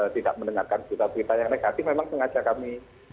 tidak mendengarkan berita berita yang negatif memang sengaja kami